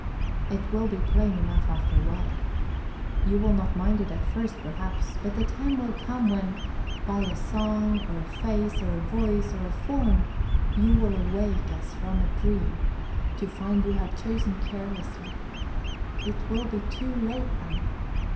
_ It will be plain enough after a while. You will not mind it at first, perhaps, but the time will come when, by a song, or a face, or a voice, or a form, you will awake as from a dream, to find you have chosen carelessly. It will be too late then.